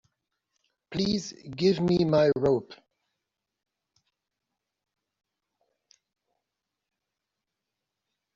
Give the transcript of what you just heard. Please give me my robe.